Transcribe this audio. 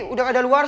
udah gak ada luar